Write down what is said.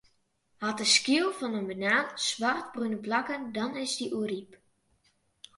Hat de skyl fan 'e banaan swartbrune plakken, dan is er oerryp.